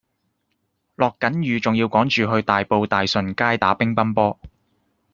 落緊雨仲要趕住去大埔大順街打乒乓波